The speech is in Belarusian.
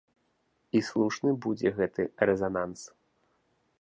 І слушны будзе гэты рэзананс.